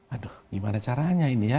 aduh gimana caranya ini ya